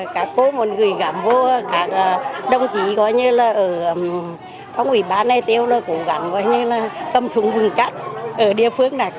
các cô muốn gửi cảm vô các đồng chí gọi như là ở phòng ủy ban ê tiêu là cố gắng gọi như là cầm súng vừng cắt ở địa phương này